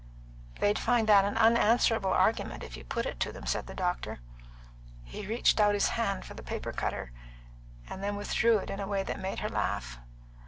"They'd find that an unanswerable argument if you put it to them," said the doctor. He reached out his hand for the paper cutter, and then withdrew it in a way that made her laugh.